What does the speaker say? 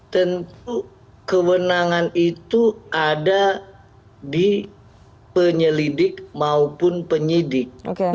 tentu kewenangan itu ada di penyelidik maupun penyidik